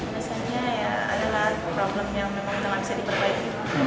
biasanya ya adalah problem yang memang tidak bisa diperbaiki